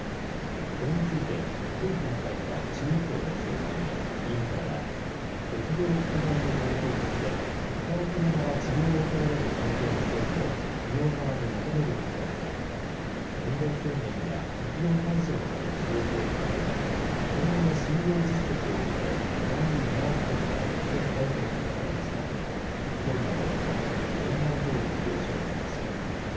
これについて、きょう開かれた中医協の総会で委員からは適用拡大の前提として働きながら治療を受けられる環境の整備を企業側に求めるべきだとか年齢制限や適用対象となる治療法については今後の診療実績を受けて不断に見直すべきだといった意見が出されましたが協議の結果、原案どおり了承されました。